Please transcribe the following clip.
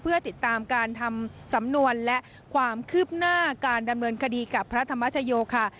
เพื่อติดตามการทำสำนวนและความคืบหน้าการดำเนินคดีกับพระธรรมชโยค่ะ